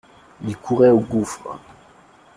Ils couraient au gouffre.